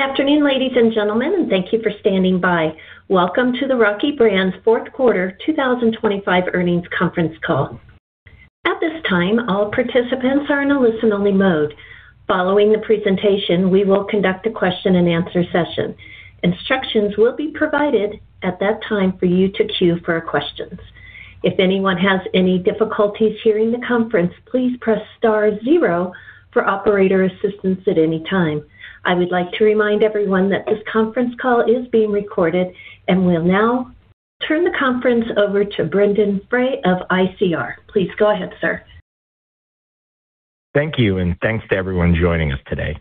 Good afternoon, ladies and gentlemen, thank you for standing by. Welcome to the Rocky Brands fourth quarter 2025 earnings conference call. At this time, all participants are in a listen-only mode. Following the presentation, we will conduct a question-and-answer session. Instructions will be provided at that time for you to queue for questions. If anyone has any difficulties hearing the conference, please press star zero for operator assistance at any time. I would like to remind everyone that this conference call is being recorded, and we'll now turn the conference over to Brendon Frey of ICR. Please go ahead, sir. Thank you, and thanks to everyone joining us today.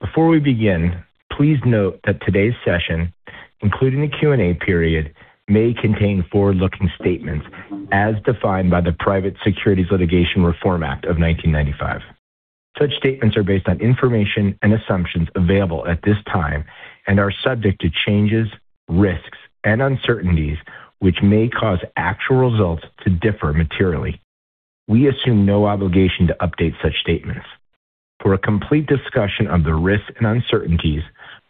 Before we begin, please note that today's session, including the Q&A period, may contain forward-looking statements as defined by the Private Securities Litigation Reform Act of 1995. Such statements are based on information and assumptions available at this time and are subject to changes, risks, and uncertainties, which may cause actual results to differ materially. We assume no obligation to update such statements. For a complete discussion of the risks and uncertainties,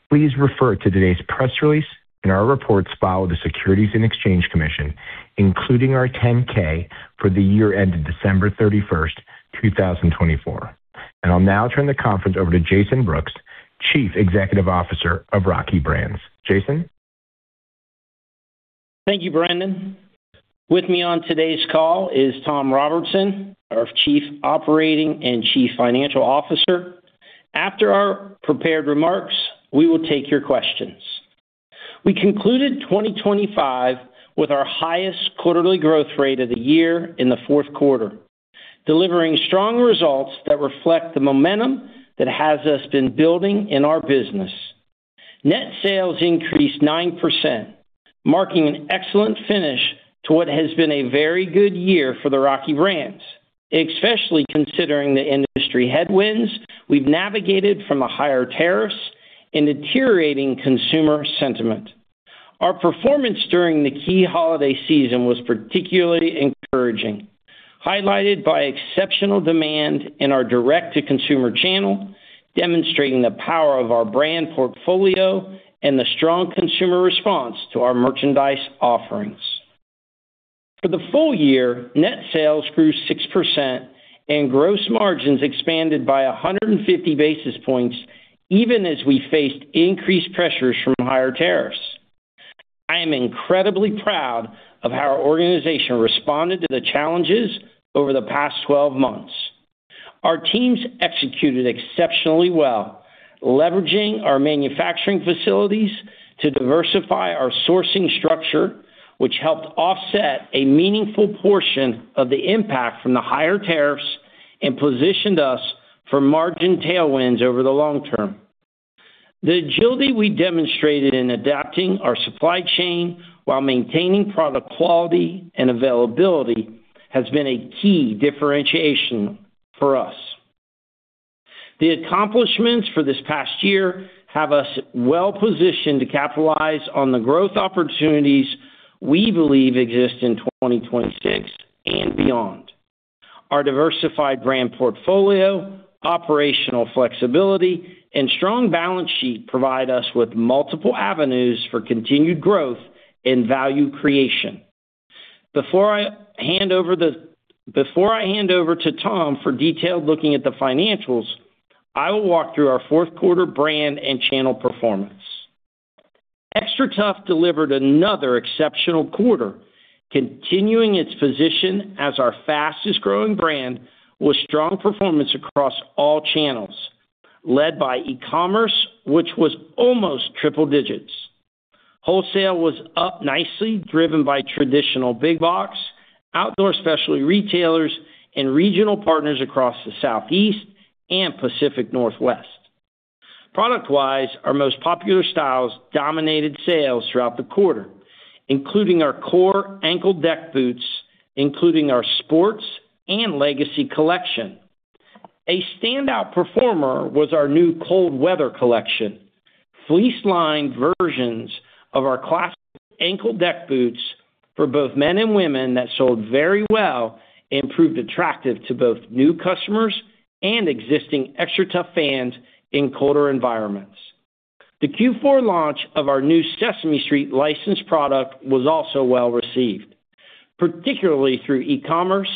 please refer to today's press release and our reports filed with the Securities and Exchange Commission, including our 10-K for the year ended December 31, 2024. I'll now turn the conference over to Jason Brooks, Chief Executive Officer of Rocky Brands. Jason? Thank you, Brendon. With me on today's call is Tom Robertson, our Chief Operating and Chief Financial Officer. After our prepared remarks, we will take your questions. We concluded 2025 with our highest quarterly growth rate of the year in the fourth quarter, delivering strong results that reflect the momentum that has been building in our business. Net sales increased 9%, marking an excellent finish to what has been a very good year for Rocky Brands, especially considering the industry headwinds we've navigated from higher tariffs and deteriorating consumer sentiment. Our performance during the key holiday season was particularly encouraging, highlighted by exceptional demand in our direct-to-consumer channel, demonstrating the power of our brand portfolio and the strong consumer response to our merchandise offerings. For the full-year, net sales grew 6% and gross margins expanded by 150 basis points, even as we faced increased pressures from higher tariffs. I am incredibly proud of how our organization responded to the challenges over the past 12 months. Our teams executed exceptionally well, leveraging our manufacturing facilities to diversify our sourcing structure, which helped offset a meaningful portion of the impact from the higher tariffs and positioned us for margin tailwinds over the long term. The agility we demonstrated in adapting our supply chain while maintaining product quality and availability has been a key differentiation for us. The accomplishments for this past year have us well-positioned to capitalize on the growth opportunities we believe exist in 2026 and beyond. Our diversified brand portfolio, operational flexibility, and strong balance sheet provide us with multiple avenues for continued growth and value creation. Before I hand over to Tom for detailed looking at the financials, I will walk through our fourth quarter brand and channel performance. XTRATUF delivered another exceptional quarter, continuing its position as our fastest-growing brand, with strong performance across all channels, led by e-commerce, which was almost triple digits. Wholesale was up nicely, driven by traditional big box, outdoor specialty retailers, and regional partners across the Southeast and Pacific Northwest. Product-wise, our most popular styles dominated sales throughout the quarter, including our core Ankle Deck Boots, including our sports and legacy collection. A standout performer was our new cold weather collection. Fleece-lined versions of our classic Ankle Deck Boots for both men and women that sold very well and proved attractive to both new customers and existing XTRATUF fans in colder environments. The Q4 launch of our new Sesame Street licensed product was also well-received, particularly through e-commerce,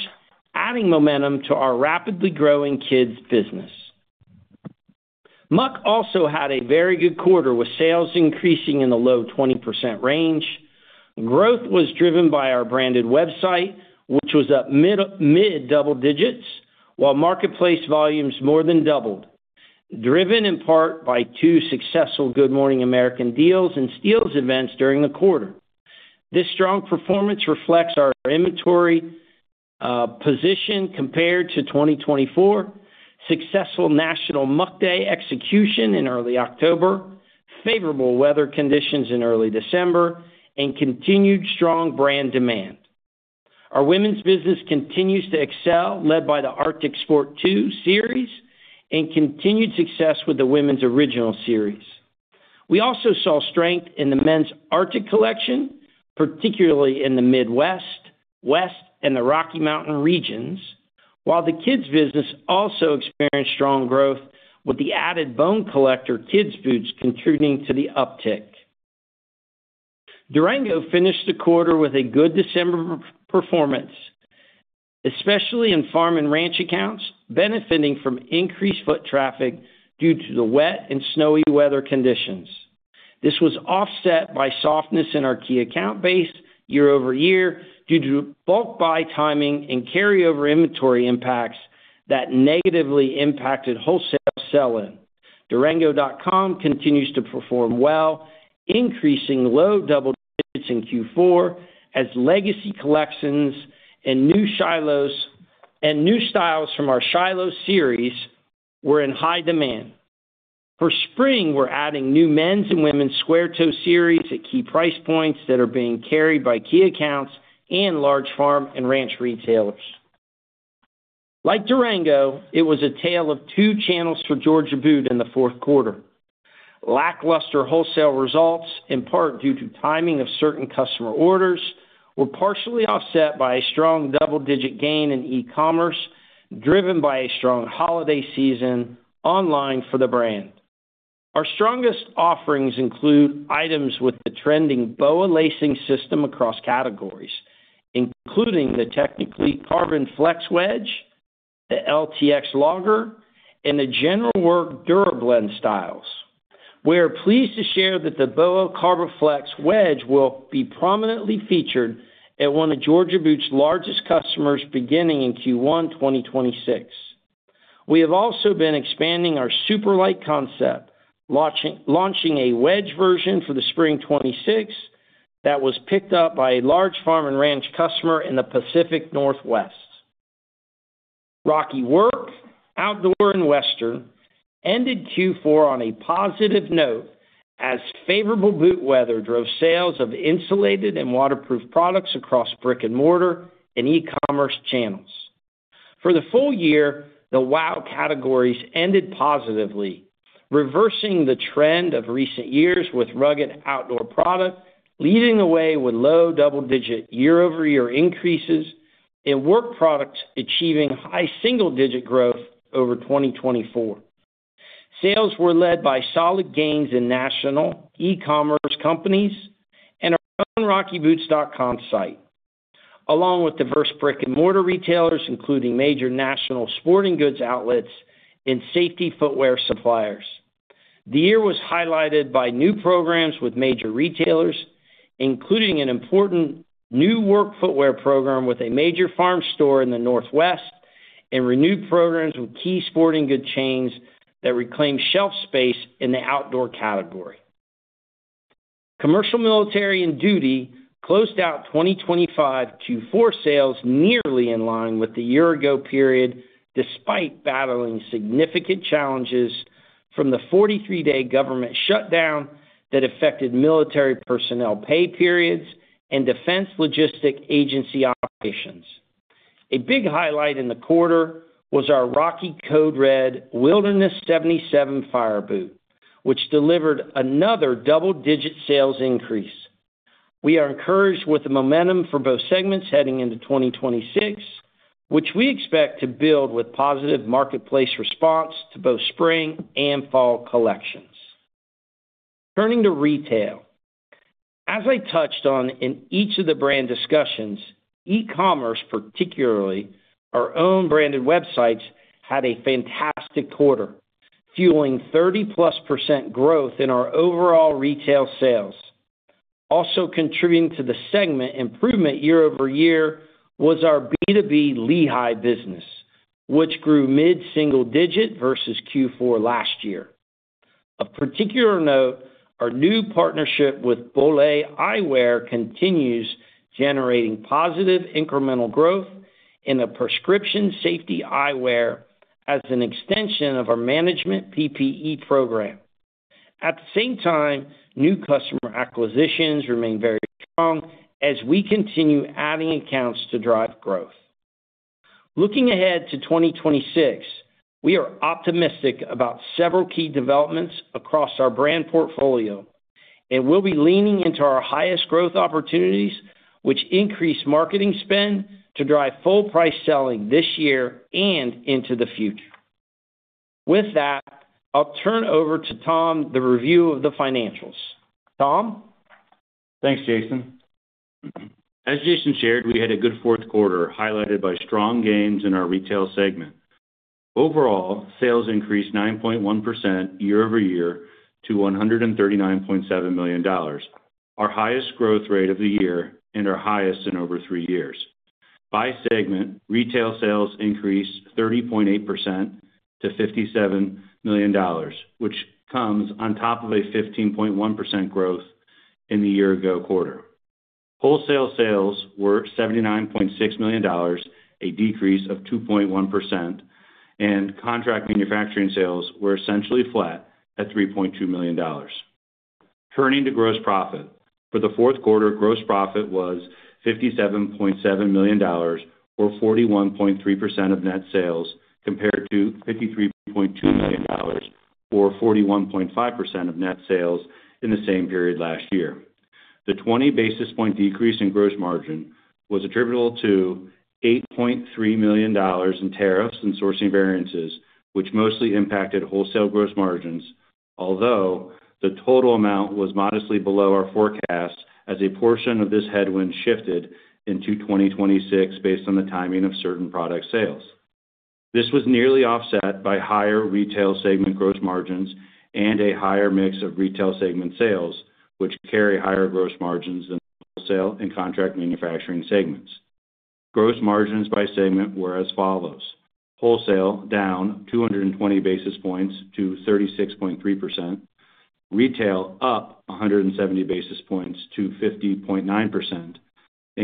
adding momentum to our rapidly growing kids business. Muck also had a very good quarter, with sales increasing in the low 20% range. Growth was driven by our branded website, which was up mid-double digits, while marketplace volumes more than doubled, driven in part by two successful Good Morning America deals and steals events during the quarter. This strong performance reflects our inventory position compared to 2024, successful National Muck Day execution in early October, favorable weather conditions in early December, and continued strong brand demand. Our women's business continues to excel, led by the Arctic Sport II series and continued success with the women's original series.... We also saw strength in the men's Arctic collection, particularly in the Midwest, West, and the Rocky Mountain regions, while the kids business also experienced strong growth, with the added Bone Collector kids' boots contributing to the uptick. Durango finished the quarter with a good December performance, especially in farm and ranch accounts, benefiting from increased foot traffic due to the wet and snowy weather conditions. This was offset by softness in our key account base year-over-year, due to bulk buy timing and carryover inventory impacts that negatively impacted wholesale sell-in. Durango.com continues to perform well, increasing low double digits in Q4 as legacy collections and new styles from our Shyloh series were in high demand. For spring, we're adding new men's and women's square toe series at key price points that are being carried by key accounts and large farm and ranch retailers. Like Durango, it was a tale of two channels for Georgia Boot in the fourth quarter. Lackluster wholesale results, in part due to timing of certain customer orders, were partially offset by a strong double-digit gain in e-commerce, driven by a strong holiday season online for the brand. Our strongest offerings include items with the trending BOA lacing system across categories, including the technically Carbon Flex Wedge, the LTX Logger, and the general work DuraBlend styles. We are pleased to share that the BOA Carbon Flex Wedge will be prominently featured at one of Georgia Boot's largest customers beginning in Q1, 2026. We have also been expanding our SuperLyte concept, launching a wedge version for the spring 2026, that was picked up by a large farm and ranch customer in the Pacific Northwest. Rocky Work, Outdoor, and Western ended Q4 on a positive note, as favorable boot weather drove sales of insulated and waterproof products across brick-and-mortar and e-commerce channels. For the full-year, the WOW categories ended positively, reversing the trend of recent years, with rugged outdoor product leading the way with low double-digit year-over-year increases and work products achieving high single-digit growth over 2024. Sales were led by solid gains in national e-commerce companies and our own rockyboots.com site, along with diverse brick-and-mortar retailers, including major national sporting goods outlets and safety footwear suppliers. The year was highlighted by new programs with major retailers, including an important new work footwear program with a major farm store in the Northwest, and renewed programs with key sporting goods chains that reclaimed shelf space in the outdoor category. Commercial, military, and duty closed out 2025 Q4 sales nearly in line with the year-ago period, despite battling significant challenges from the 43-day government shutdown that affected military personnel pay periods and Defense Logistics Agency operations. A big highlight in the quarter was our Rocky Code Red Wildlands 77 fire boot, which delivered another double-digit sales increase. We are encouraged with the momentum for both segments heading into 2026, which we expect to build with positive marketplace response to both spring and fall collections. Turning to retail. As I touched on in each of the brand discussions, e-commerce, particularly our own branded websites, had a fantastic quarter, fueling 30%+ growth in our overall retail sales. Contributing to the segment improvement year-over-year was our B2B Lehigh business, which grew mid-single digit versus Q4 last year. Of particular note, our new partnership with Bollé Eyewear continues, generating positive incremental growth in the prescription safety eyewear as an extension of our management PPE program. At the same time, new customer acquisitions remain very strong as we continue adding accounts to drive growth. Looking ahead to 2026, we are optimistic about several key developments across our brand portfolio, and we'll be leaning into our highest growth opportunities, which increase marketing spend to drive full price selling this year and into the future. With that, I'll turn over to Tom, the review of the financials. Tom? Thanks, Jason. As Jason shared, we had a good fourth quarter, highlighted by strong gains in our retail segment. Overall, sales increased 9.1% year-over-year to $139.7 million, our highest growth rate of the year and our highest in over three years. By segment, retail sales increased 30.8% to $57 million, which comes on top of a 15.1% growth in the year-ago quarter. Wholesale sales were $79.6 million, a decrease of 2.1%. Contract manufacturing sales were essentially flat at $3.2 million. Turning to gross profit. For the fourth quarter, gross profit was $57.7 million, or 41.3% of net sales, compared to $53.2 million, or 41.5% of net sales in the same period last year. The 20 basis point decrease in gross margin was attributable to $8.3 million in tariffs and sourcing variances, which mostly impacted wholesale gross margins, although the total amount was modestly below our forecast as a portion of this headwind shifted into 2026 based on the timing of certain product sales. This was nearly offset by higher retail segment gross margins and a higher mix of retail segment sales, which carry higher gross margins than wholesale and contract manufacturing segments. Gross margins by segment were as follows: wholesale, down 220 basis points to 36.3%. Retail, up 170 basis points to 50.9%.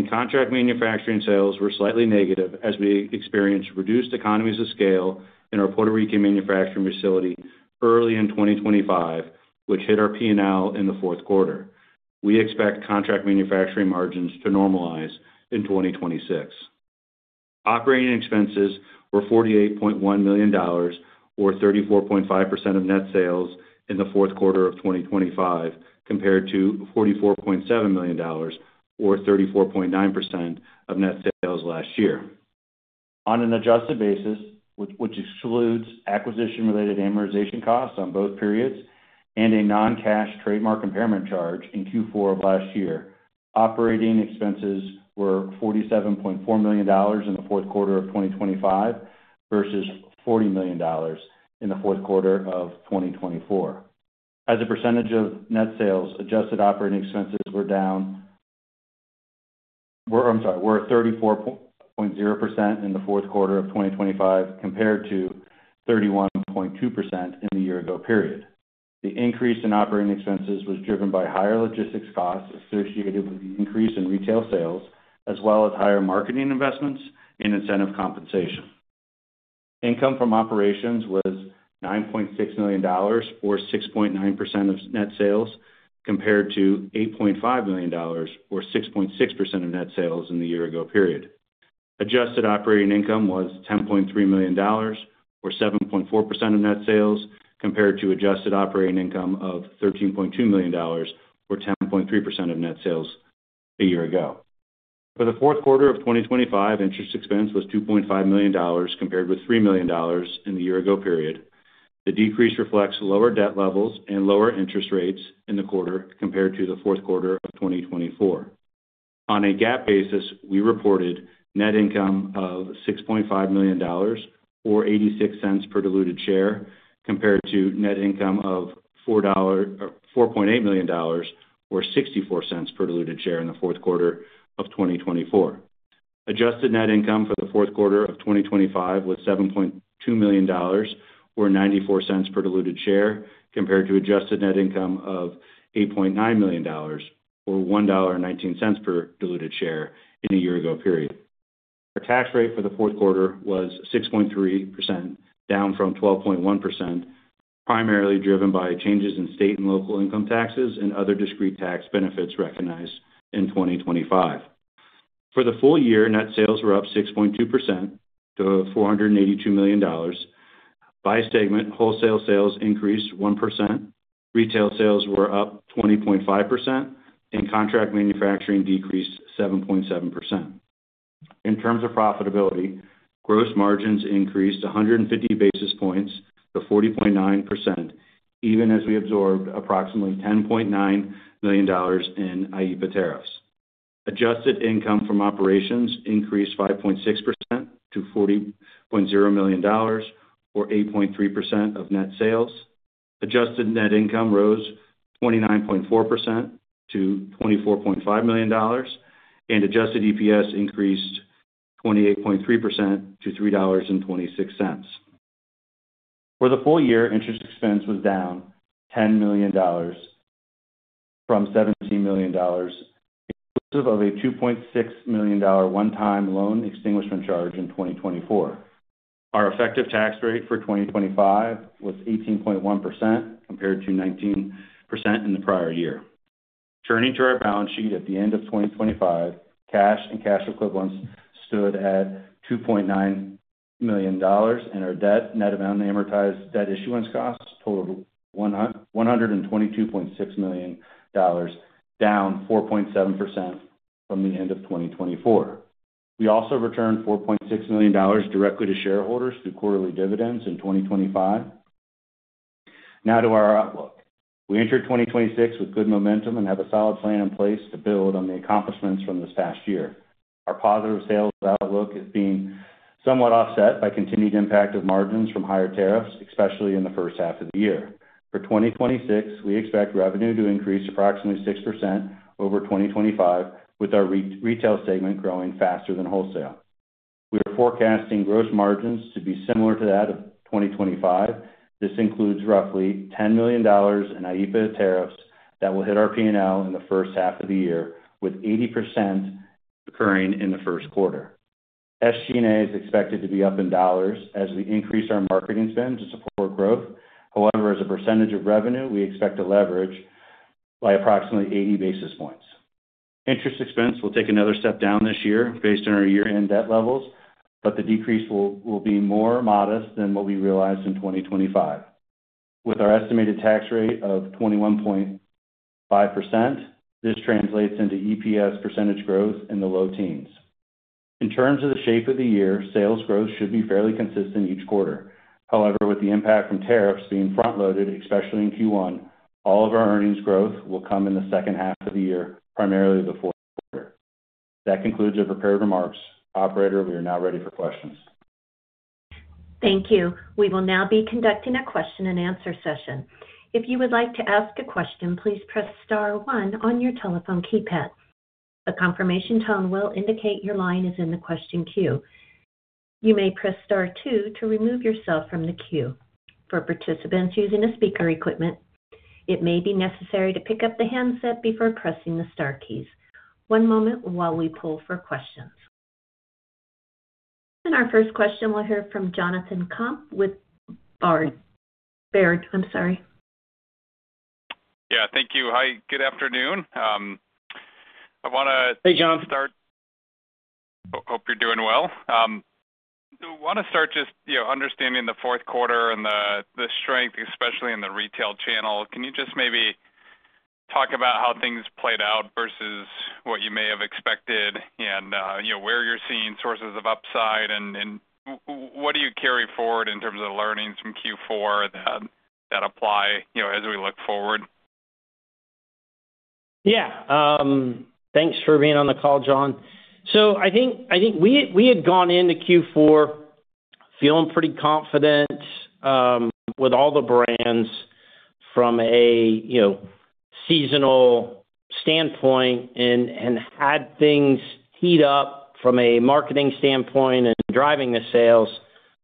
Contract manufacturing sales were slightly negative as we experienced reduced economies of scale in our Puerto Rican manufacturing facility early in 2025, which hit our P&L in the fourth quarter. We expect contract manufacturing margins to normalize in 2026. Operating expenses were $48.1 million, or 34.5% of net sales in the fourth quarter of 2025, compared to $44.7 million, or 34.9% of net sales last year. On an adjusted basis, which excludes acquisition-related amortization costs on both periods and a non-cash trademark impairment charge in Q4 of last year, operating expenses were $47.4 million in the fourth quarter of 2025 versus $40 million in the fourth quarter of 2024. As a percentage of net sales, adjusted operating expenses were at 34.0% in the fourth quarter of 2025, compared to 31.2% in the year-ago period. The increase in operating expenses was driven by higher logistics costs associated with the increase in retail sales, as well as higher marketing investments and incentive compensation. Income from operations was $9.6 million, or 6.9% of net sales, compared to $8.5 million, or 6.6% of net sales in the year-ago period. Adjusted operating income was $10.3 million, or 7.4% of net sales, compared to adjusted operating income of $13.2 million, or 10.3% of net sales a year ago. For the fourth quarter of 2025, interest expense was $2.5 million, compared with $3 million in the year ago period. The decrease reflects lower debt levels and lower interest rates in the quarter compared to the fourth quarter of 2024. On a GAAP basis, we reported net income of $6.5 million, or $0.86 per diluted share, compared to net income of $4.8 million, or $0.64 per diluted share in the fourth quarter of 2024. Adjusted net income for the fourth quarter of 2025 was $7.2 million, or $0.94 per diluted share, compared to adjusted net income of $8.9 million, or $1.19 per diluted share in the year ago period. Our tax rate for the fourth quarter was 6.3%, down from 12.1%, primarily driven by changes in state and local income taxes and other discrete tax benefits recognized in 2025. For the full-year, net sales were up 6.2% to $482 million. By segment, wholesale sales increased 1%, retail sales were up 20.5%, and contract manufacturing decreased 7.7%. In terms of profitability, gross margins increased 150 basis points to 40.9%, even as we absorbed approximately $10.9 million in IEEPA tariffs. Adjusted income from operations increased 5.6% to $40.0 million, or 8.3% of net sales. Adjusted net income rose 29.4% to $24.5 million, and adjusted EPS increased 28.3% to $3.26. For the full-year, interest expense was down $10 million from $17 million, inclusive of a $2.6 million one-time loan extinguishment charge in 2024. Our effective tax rate for 2025 was 18.1%, compared to 19% in the prior year. Turning to our balance sheet, at the end of 2025, cash and cash equivalents stood at $2.9 million, and our debt, net amount amortized debt issuance costs totaled $122.6 million, down 4.7% from the end of 2024. We also returned $4.6 million directly to shareholders through quarterly dividends in 2025. Now to our outlook. We entered 2026 with good momentum and have a solid plan in place to build on the accomplishments from this past year. Our positive sales outlook is being somewhat offset by continued impact of margins from higher tariffs, especially in the first half of the year. For 2026, we expect revenue to increase approximately 6% over 2025, with our retail segment growing faster than wholesale. We are forecasting gross margins to be similar to that of 2025. This includes roughly $10 million in IEEPA tariffs that will hit our P&L in the first half of the year, with 80% occurring in the first quarter. SG&A is expected to be up in dollars as we increase our marketing spend to support growth. As a percentage of revenue, we expect to leverage by approximately 80 basis points. Interest expense will take another step down this year based on our year-end debt levels, but the decrease will be more modest than what we realized in 2025. With our estimated tax rate of 21.5%, this translates into EPS percentage growth in the low teens. In terms of the shape of the year, sales growth should be fairly consistent each quarter. However, with the impact from tariffs being front-loaded, especially in Q1, all of our earnings growth will come in the second half of the year, primarily the fourth quarter. That concludes the prepared remarks. Operator, we are now ready for questions. Thank you. We will now be conducting a question-and-answer session. If you would like to ask a question, please press star one on your telephone keypad. A confirmation tone will indicate your line is in the question queue. You may press star two to remove yourself from the queue. For participants using the speaker equipment, it may be necessary to pick up the handset before pressing the star keys. One moment while we pull for questions. Our first question, we'll hear from Jonathan Komp with Baird. Baird, I'm sorry. Yeah, thank you. Hi, good afternoon. Hey, John. Hope you're doing well. I wanna start just, you know, understanding the fourth quarter and the strength, especially in the retail channel. Can you just maybe talk about how things played out versus what you may have expected and, you know, where you're seeing sources of upside, and what do you carry forward in terms of learnings from Q4 that apply, you know, as we look forward? Yeah. Thanks for being on the call, John. I think we had gone into Q4 feeling pretty confident with all the brands from a, you know, seasonal standpoint and had things heat up from a marketing standpoint and driving the sales.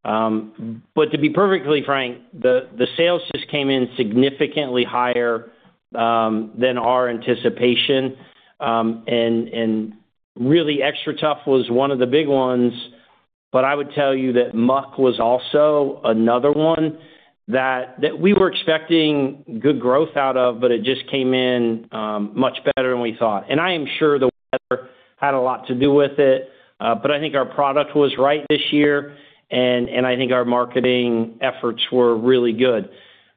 To be perfectly frank, the sales just came in significantly higher than our anticipation. And really, XTRATUF was one of the big ones, but I would tell you that Muck was also another one that we were expecting good growth out of, but it just came in much better than we thought. I am sure the weather had a lot to do with it, but I think our product was right this year, and I think our marketing efforts were really good.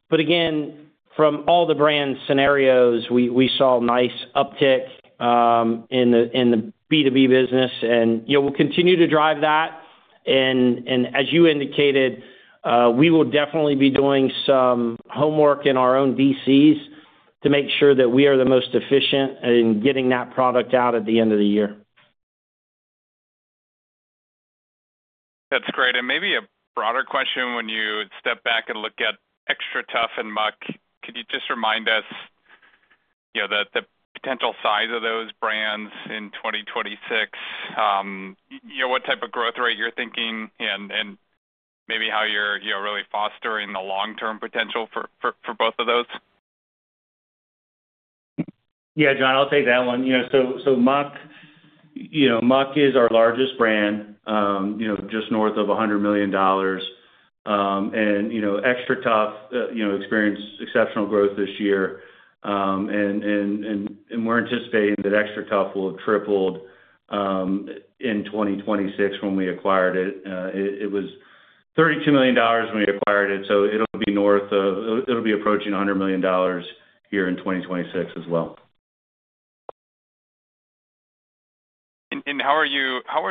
Again, from all the brand scenarios, we saw a nice uptick in the B2B business, and, you know, we'll continue to drive that. As you indicated, we will definitely be doing some homework in our own DCs to make sure that we are the most efficient in getting that product out at the end of the year. That's great. Maybe a broader question, when you step back and look at XTRATUF and Muck, could you just remind us, you know, the potential size of those brands in 2026? You know, what type of growth rate you're thinking and maybe how you're, you know, really fostering the long-term potential for both of those. Yeah, John, I'll take that one. You know, so Muck, you know, Muck is our largest brand, you know, just north of $100 million. We're anticipating that XTRATUF will have tripled in 2026 when we acquired it. It was $32 million when we acquired it, so it'll be approaching $100 million here in 2026 as well. How are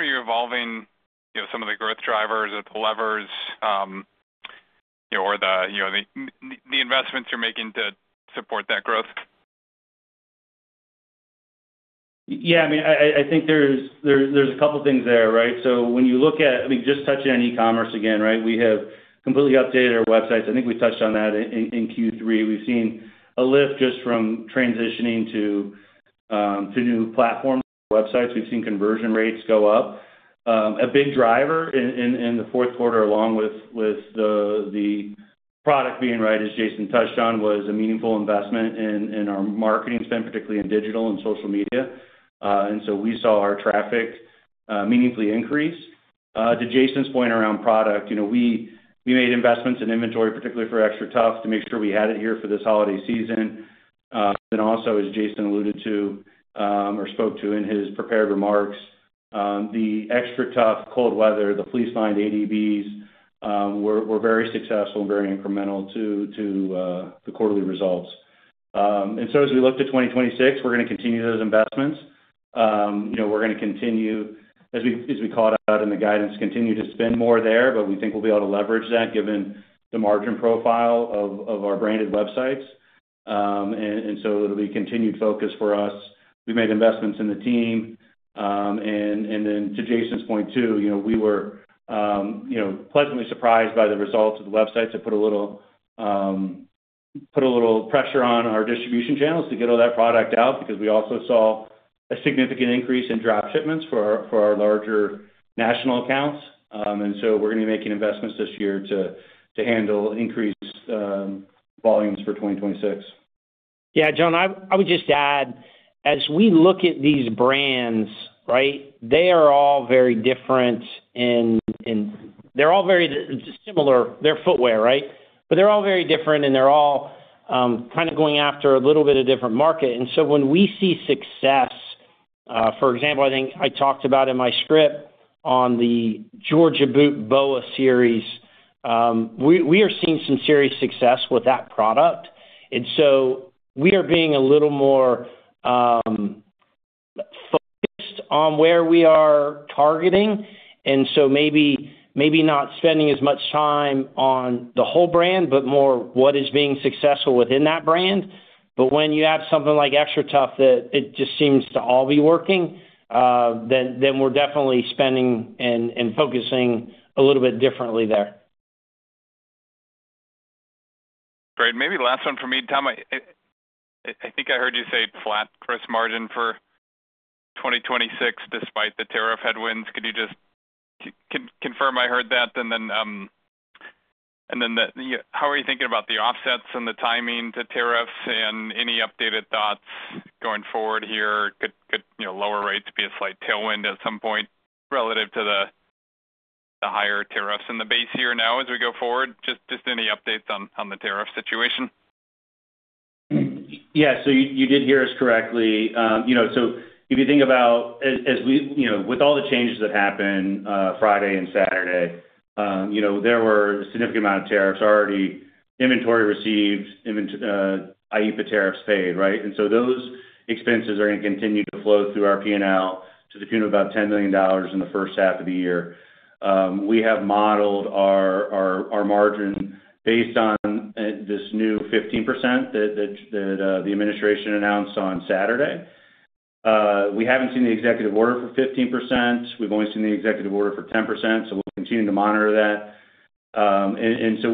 you evolving, you know, some of the growth drivers or the levers, you know, or the, you know, the investments you're making to support that growth? I mean, I think there's a couple things there, right? When you look at, I mean, just touching on e-commerce again, right? We have completely updated our websites. I think we touched on that in Q3. We've seen a lift just from transitioning to new platforms and websites. We've seen conversion rates go up. A big driver in the fourth quarter, along with the product being right, as Jason touched on, was a meaningful investment in our marketing spend, particularly in digital and social media. We saw our traffic meaningfully increase. To Jason's point around product, you know, we made investments in inventory, particularly for XTRATUF, to make sure we had it here for this holiday season. Also, as Jason alluded to, or spoke to in his prepared remarks, the XTRATUF cold weather, the Fleece-Lined ADBs, were very successful and very incremental to the quarterly results. As we look to 2026, we're gonna continue those investments. You know, we're gonna continue, as we called out in the guidance, continue to spend more there, but we think we'll be able to leverage that, given the margin profile of our branded websites. It'll be a continued focus for us. We made investments in the team. To Jason's point, too, you know, we were, you know, pleasantly surprised by the results of the websites that put a little pressure on our distribution channels to get all that product out, because we also saw a significant increase in drop shipments for our, for our larger national accounts. We're gonna be making investments this year to handle increased volumes for 2026. Yeah, John, I would just add, as we look at these brands, right, they are all very different and they're all very similar. They're footwear, right? They're all very different, and they're all kind of going after a little bit of different market. When we see success, for example, I think I talked about in my script on the Georgia Boot BOA series, we are seeing some serious success with that product. We are being a little more focused on where we are targeting. Maybe not spending as much time on the whole brand, but more what is being successful within that brand. When you have something like XTRATUF, that it just seems to all be working, then we're definitely spending and focusing a little bit differently there. Great. Maybe last one for me. Tom, I think I heard you say flat gross margin for 2026, despite the tariff headwinds. Could you just confirm I heard that? How are you thinking about the offsets and the timing to tariffs and any updated thoughts going forward here? Could, you know, lower rates be a slight tailwind at some point relative to the higher tariffs in the base year now as we go forward? Just any updates on the tariff situation. You, you did hear us correctly. You know, with all the changes that happened Friday and Saturday, you know, there were a significant amount of tariffs already. Inventory received, IEEPA tariffs paid, right? Those expenses are going to continue to flow through our P&L to the tune of about $10 million in the first half of the year. We have modeled our margin based on this new 15% that the administration announced on Saturday. We haven't seen the executive order for 15%. We've only seen the executive order for 10%, so we'll continue to monitor that.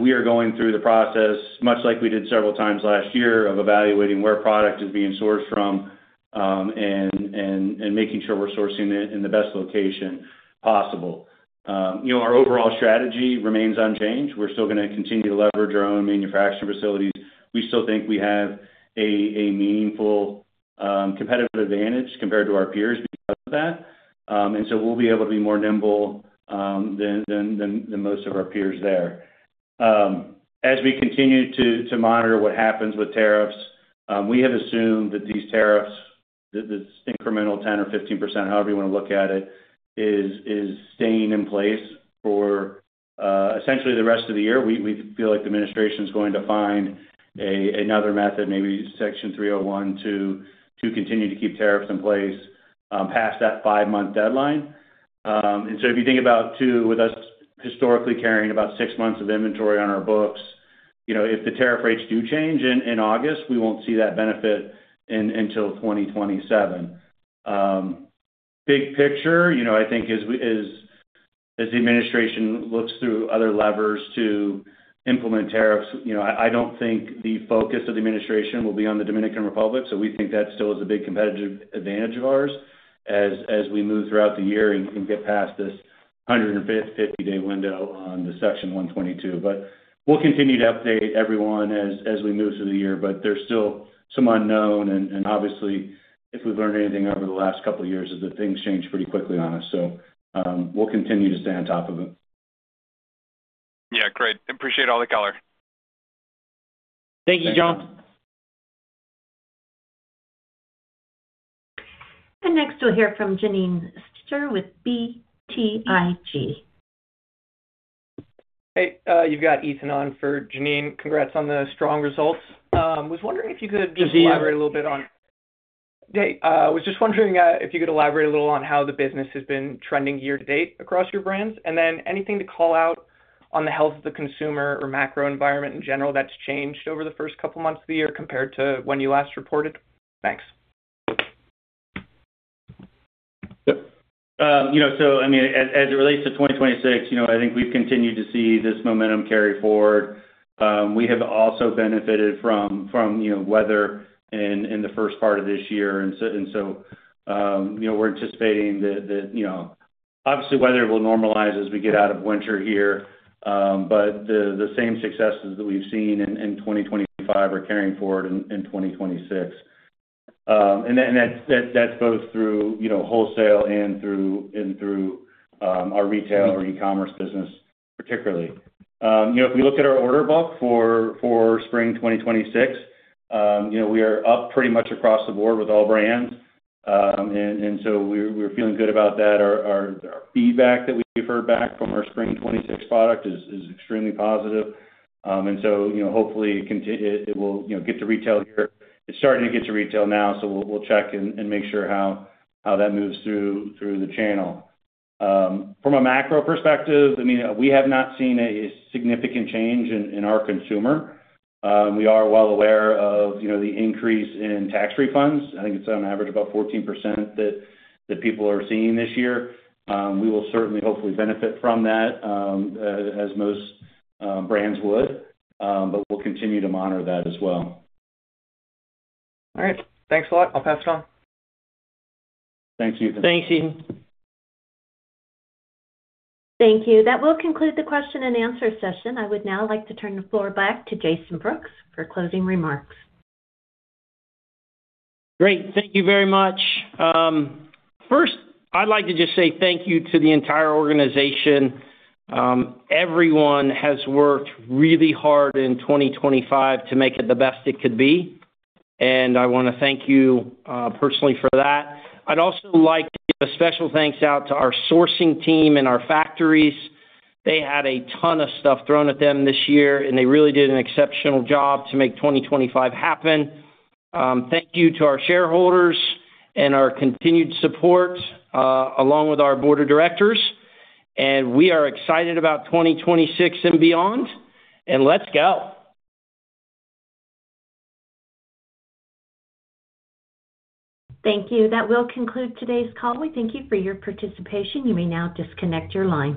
We are going through the process, much like we did several times last year, of evaluating where product is being sourced from, and making sure we're sourcing it in the best location possible. You know, our overall strategy remains unchanged. We're still gonna continue to leverage our own manufacturing facilities. We still think we have a meaningful competitive advantage compared to our peers because of that. We'll be able to be more nimble than most of our peers there. As we continue to monitor what happens with tariffs, we have assumed that these tariffs, this incremental 10% or 15%, however you wanna look at it, is staying in place for essentially the rest of the year. We feel like the administration is going to find another method, maybe Section 301, to continue to keep tariffs in place past that five-month deadline. If you think about too, with us historically carrying about six months of inventory on our books, you know, if the tariff rates do change in August, we won't see that benefit until 2027. Big picture, you know, I think as the administration looks through other levers to implement tariffs, you know, I don't think the focus of the administration will be on the Dominican Republic. We think that still is a big competitive advantage of ours as we move throughout the year and get past this 150-day window on the Section 122. We'll continue to update everyone as we move through the year. There's still some unknown, and obviously, if we've learned anything over the last couple of years, is that things change pretty quickly on us. We'll continue to stay on top of it. Yeah, great. Appreciate all the color. Thank you, John. Next, we'll hear from Janine Stichter with BTIG. Hey, you've got Ethan on for Janine. Congrats on the strong results. Was wondering if you could. Thank you. Was just wondering if you could elaborate a little on how the business has been trending year-to-date across your brands, and then anything to call out on the health of the consumer or macro environment in general, that's changed over the first couple of months of the year compared to when you last reported? Thanks. Yep. You know, I mean, as it relates to 2026, you know, I think we've continued to see this momentum carry forward. We have also benefited from, you know, weather in the first part of this year. You know, we're anticipating that, you know, obviously, weather will normalize as we get out of winter here, the same successes that we've seen in 2025 are carrying forward in 2026. That's both through, you know, wholesale and through our retail or e-commerce business, particularly. You know, if we look at our order book for spring 2026, you know, we are up pretty much across the board with all brands. So we're feeling good about that. Our feedback that we've heard back from our spring 26 product is extremely positive. You know, hopefully, it will, you know, get to retail here. It's starting to get to retail now, so we'll check and make sure how that moves through the channel. From a macro perspective, I mean, we have not seen a significant change in our consumer. We are well aware of, you know, the increase in tax refunds. I think it's on average about 14% that people are seeing this year. We will certainly hopefully benefit from that, as most brands would, but we'll continue to monitor that as well. All right. Thanks a lot. I'll pass it on. Thank you. Thanks, Ethan. Thank you. That will conclude the question and answer session. I would now like to turn the floor back to Jason Brooks for closing remarks. Great. Thank you very much. First, I'd like to just say thank you to the entire organization. Everyone has worked really hard in 2025 to make it the best it could be, and I want to thank you personally for that. I'd also like to give a special thanks out to our sourcing team and our factories. They had a ton of stuff thrown at them this year, and they really did an exceptional job to make 2025 happen. Thank you to our shareholders and our continued support along with our board of directors, and we are excited about 2026 and beyond, and let's go! Thank you. That will conclude today's call. We thank you for your participation. You may now disconnect your lines.